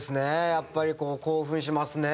やっぱり興奮しますね。